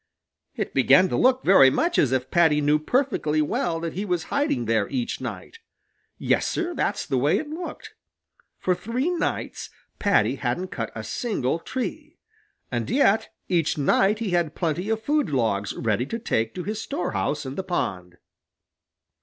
It began to look very much as if Paddy knew perfectly well that he was hiding there each night. Yes, Sir, that's the way it looked. For three nights Paddy hadn't cut a single tree, and yet each night he had plenty of food logs ready to take to his storehouse in the pond.